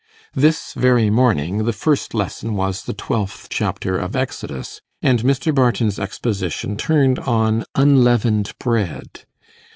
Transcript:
This very morning, the first lesson was the twelfth chapter of Exodus, and Mr. Barton's exposition turned on unleavened bread.